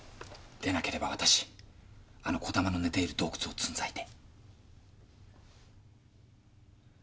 「でなければわたしあの木霊の寝ている洞窟をつん裂いて」